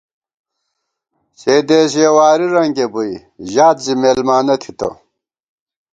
سے دېس یَہ واری رنگے بُوئی، ژات زِی مېلمانہ تھِتہ